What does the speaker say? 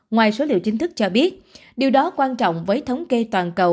ngoài số liệu chính thức cho biết điều đó quan trọng với thống kê toàn cầu